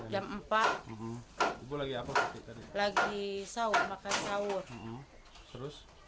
jam empat lagi saur makan saur